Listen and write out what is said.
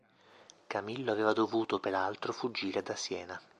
Camillo aveva dovuto peraltro fuggire da Siena.